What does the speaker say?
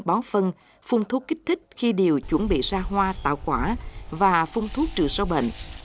có phần phung thuốc kích thích khi điều chuẩn bị ra hoa tạo quả và phung thuốc trừ so bệnh